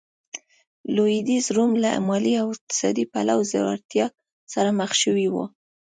لوېدیځ روم له مالي او اقتصادي پلوه ځوړتیا سره مخ شوی و.